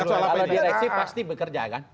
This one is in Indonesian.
kalau direksi pasti bekerja kan